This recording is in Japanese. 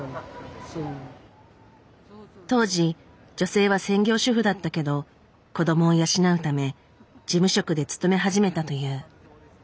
当時女性は専業主婦だったけど子どもを養うため事務職で勤め始めたという。